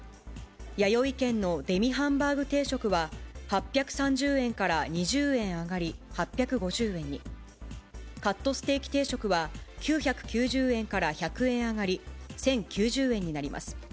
やよい軒のデミハンバーグ定食は、８３０円から２０円上がり、８５０円に、カットステーキ定食は、９９０円から１００円上がり、１０９０円になります。